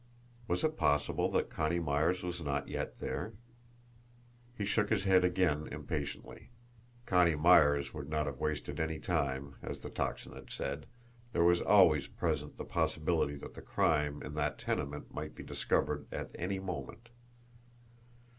Was it possible that Connie Myers was not yet there? He shook his head again impatiently. Connie Myers would not have wasted any time as the Tocsin had said, there was always present the possibility that the crime in that tenement might be discovered at ANY moment.